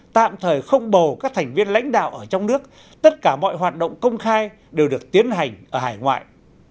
tạm thời không bầu các thành viên lãnh đạo ở trong nước tất cả mọi hoạt động công khai đều được tiến hành ở hải ngoại